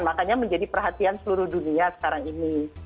makanya menjadi perhatian seluruh dunia sekarang ini